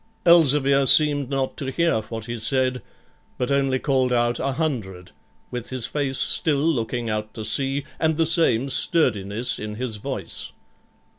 Elzevir seemed not to hear what he said, but only called out 100, with his face still looking out to sea, and the same sturdiness in his voice.